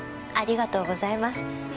ありがとうございます。